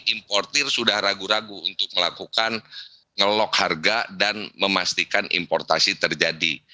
importer sudah ragu ragu untuk melakukan ngelok harga dan memastikan importasi terjadi